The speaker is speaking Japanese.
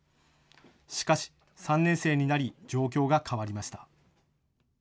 しかし３年生になり状況が変わりました。